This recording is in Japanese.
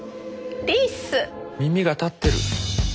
耳が立ってる！